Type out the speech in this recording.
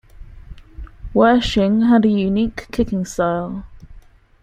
Wersching had a unique kicking style.